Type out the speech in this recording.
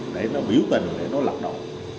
đấy nó biểu tình để nó lập động